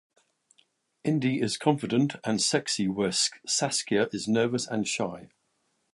Indy is confident and sexy where Saskia is nervous and shy.